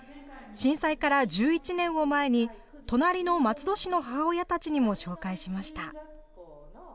震災から１１年を前に隣の松戸市の母親たちにも紹介しました。